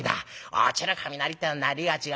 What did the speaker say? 落ちる雷ってのは鳴りが違うね。